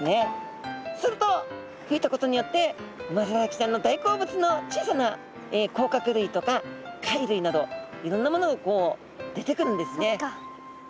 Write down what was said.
すると吹いたことによってウマヅラハギちゃんの大好物の小さな甲殻類とか貝類などいろんなものが出てくるんですね。